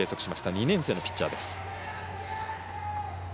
２年生のピッチャーです。